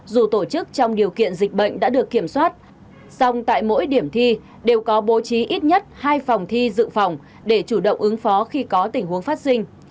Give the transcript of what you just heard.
dù tổ chức trong điều kiện dịch bệnh đã được kiểm soát song tại mỗi điểm thi đều có bố trí ít nhất hai phòng thi dự phòng để chủ động ứng phó khi có tình huống phát sinh